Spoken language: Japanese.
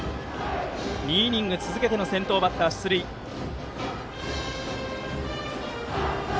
２イニング続けて先頭バッター出塁です。